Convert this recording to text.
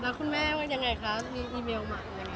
แล้วคุณแม่ยังไงคะเอียงมีอีเมลมา